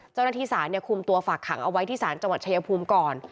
เจ้าหน้าที่ศาลคุมตัวฝากขังเอาไว้ที่ศาลจังหวัดชายภูมิก่อน